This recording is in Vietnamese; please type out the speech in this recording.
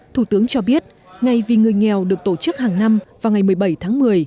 thủ tướng cho biết ngày vì người nghèo được tổ chức hàng năm vào ngày một mươi bảy tháng một mươi